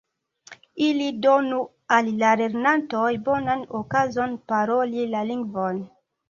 Ili donu al la lernantoj bonan okazon paroli la lingvon.